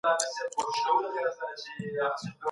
انتخاب د انسان اړتیا پورې تړلی دی.